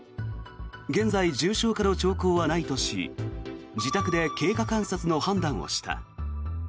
現在、重症化の兆候はないとし自宅で経過観察の判断をした。